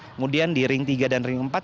kemudian di ring tiga dan ring empat